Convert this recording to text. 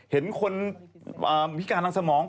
เห็นคนพิการทางสมอง